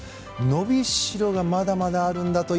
伸びしろがまだまだあるんだと。